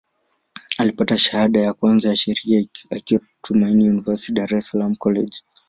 Alipata shahada ya kwanza ya Sheria akiwa Tumaini University, Dar es Salaam College.